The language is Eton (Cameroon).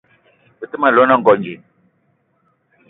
Be te ma llong na Ngonj